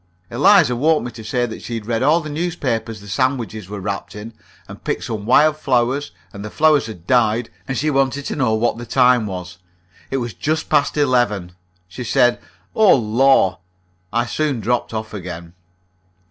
Eliza woke me to say that she had read all the newspaper the sandwiches were wrapped in, and picked some wild flowers, and the flowers had died, and she wanted to know what the time was. It was just past eleven. She said: "Oh, lor!" I soon dropped off again.